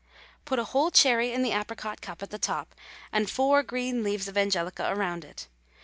Put a whole cherry in the apricot cup at the top, and four green leaves of angelica round it.